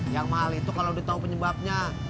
yang mahal itu kalau udah tahu penyebabnya